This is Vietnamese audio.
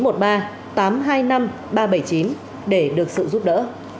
để được sự giúp đỡ